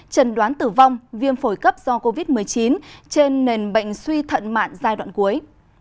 trần đoán tử vong viêm phổi cấp do covid một mươi chín trên nền bệnh suy thận mạng giai đoạn cuối